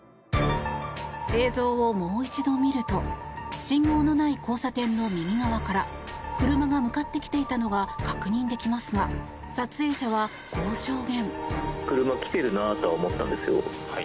映像をもう一度見ると信号のない交差点の右側から車が向かってきていたのが確認できますが撮影者は、こう証言。